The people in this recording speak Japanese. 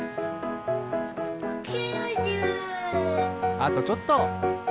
あとちょっと！